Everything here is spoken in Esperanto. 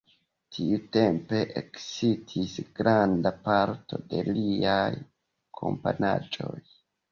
Tiutempe ekestis granda parto de liaj komponaĵoj.